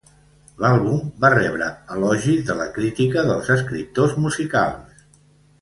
L'àlbum va rebre elogis de la crítica dels escriptors musicals.